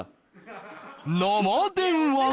生電話が！